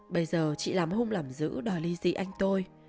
bây giờ chị làm hung làm dữ đòi ly dị anh tôi